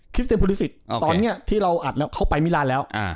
คริสเต็มฟูลิซิชตอนนี้ที่เราอัดเข้าไปมีราณแล้ว